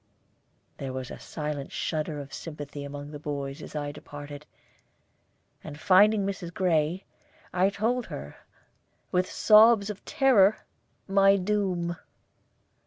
There was a silent shudder of sympathy among the boys as I departed; and finding Mrs. Gray, I told her, with sobs of terror, my doom.